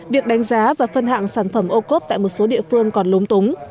việc đánh giá và phân hạng sản phẩm ô cốp tại một số địa phương còn lúng túng